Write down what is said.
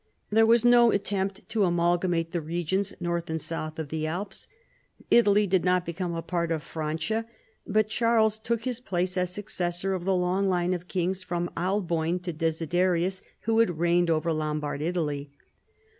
There was no attempt to amalgamate the regions north and south of the Alps : Italy did not become a part of " Francia," but Charles took his place as successor of the long line of kings from Alboin to Desiderius who had reigned over Lombard Italy.